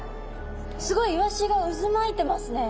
すごいイワシがうずまいてますね。